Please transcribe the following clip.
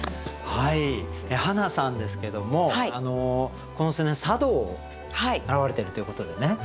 はなさんですけどもこの数年茶道を習われてるということでね。